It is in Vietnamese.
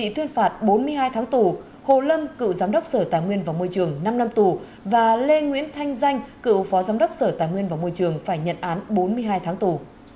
thanh danh cựu phó giám đốc sở tài nguyên và môi trường phải nhận án bốn mươi hai tháng tù